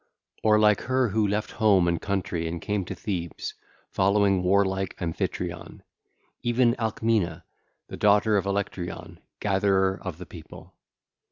1 27) Or like her who left home and country and came to Thebes, following warlike Amphitryon,—even Alcmena, the daughter of Electyron, gatherer of the people.